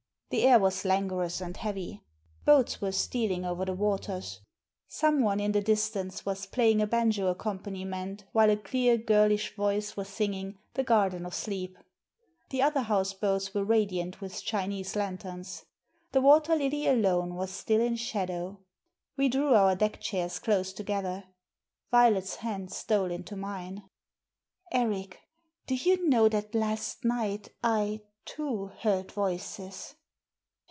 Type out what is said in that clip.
The air was languorous and heavy. Boats were stealing over the waters. Someone in the distance was playing a banjo accompaniment while a clear girlish voice was singing "The Garden of Sleep." The other houseboats were radiant with Chinese lanterns. The Water Lily alone was still in shadow. We drew our deck chairs close together. Violet's hand stole into mine. " Eric, do you know that last night I, too, heard voices